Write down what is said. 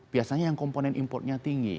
biasanya yang komponen importnya tinggi